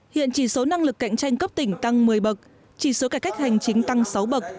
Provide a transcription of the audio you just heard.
hiện chỉ số năng lực cạnh tranh cấp tỉnh tăng một mươi bậc chỉ số cải cách hành chính tăng sáu bậc